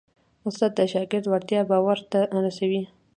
استاد د شاګرد وړتیا باور ته رسوي.